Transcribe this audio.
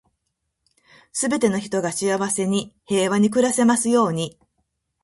全ての人が幸せに、平和に暮らせますように。